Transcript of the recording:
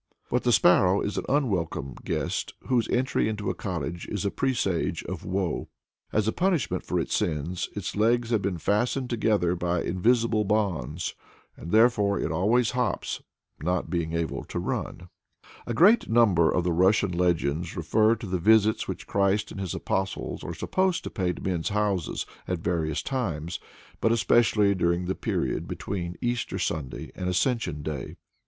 But the sparrow is an unwelcome guest, whose entry into a cottage is a presage of woe. As a punishment for its sins, its legs have been fastened together by invisible bonds, and therefore it always hops, not being able to run. A great number of the Russian legends refer to the visits which Christ and his Apostles are supposed to pay to men's houses at various times, but especially during the period between Easter Sunday and Ascension Day.